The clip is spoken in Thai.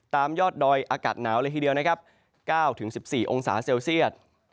ตามยอดดอยอากาศหนาวเลยทีเดียว๙๑๔องศาเซลเซียส